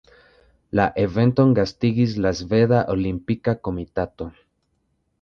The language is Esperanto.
La eventon gastigis la Sveda Olimpika Komitato.